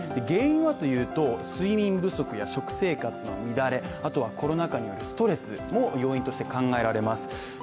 原因はというと、睡眠不足や食生活の乱れあとはコロナ禍のストレスも要因として考えられます。